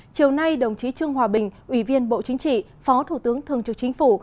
chiều nay đồng chí trương hòa bình ủy viên bộ chính trị phó thủ tướng thường trực chính phủ